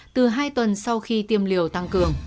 từ hai tuần sau khi tiêm liều tăng cường